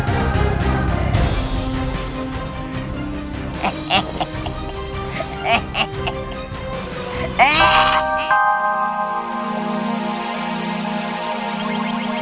aku akan menangkapmu